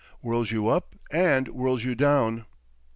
whirls you up and whirls you down."